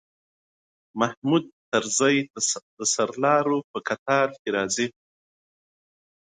محمود طرزی د سرلارو په قطار کې راځي.